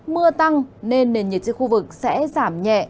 mưa tăng nên nền nhiệt trên khu vực sẽ giảm nhẹ